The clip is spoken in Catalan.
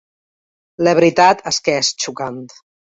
La veritat és que és xocant.